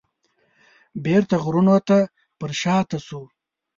بیرته غرونو ته پرشاته شو.